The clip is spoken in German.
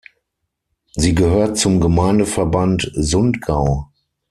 Sie gehört zum Gemeindeverband Sundgau.